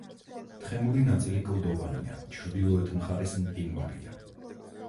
თხემური ნაწილი კლდოვანია, ჩრდილოეთ მხარეს მყინვარია.